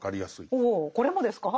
おおこれもですか？